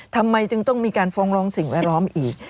ทำไมจึงต้องมีการฟ้องร้องสิ่งแวดล้อมอีก